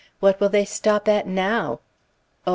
What will they stop at now? O!